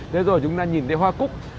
thế rồi chúng ta nhìn thấy hoa cúc